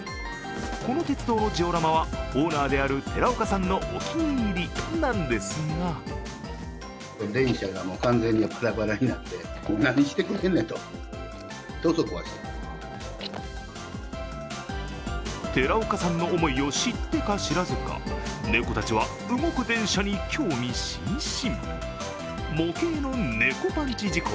この鉄道のジオラマはオーナーである寺岡さんのお気に入りなんですが寺岡さんの思いを知ってか知らずか猫たちは動く電車に興味津々。